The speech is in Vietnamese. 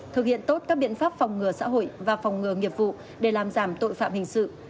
thực hiện tốt các biện pháp phòng ngừa xã hội và phòng ngừa nghiệp vụ để làm giảm tội phạm hình sự